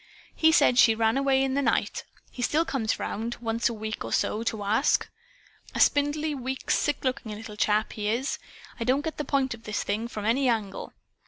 He said she ran away in the night. He still comes around, once a week or so, to ask. A spindly, weak, sick looking little chap, he is. I don't get the point of this thing, from any angle.